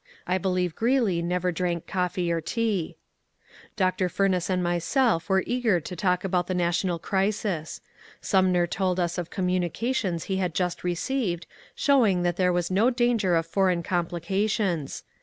(I belieye Greeley never drank tea or coffee.) Dr. Fumess and myself were eager to talk about the national crisis. Sumner told us of communications he had just re ceived showing that there was no danger of foreign com plications.